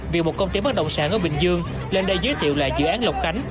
việc một công ty bất đồng sản ở bình dương lên đây giới thiệu là dự án lọc khánh